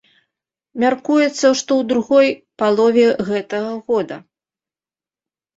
Мяркуецца, што ў другой палове гэтага года.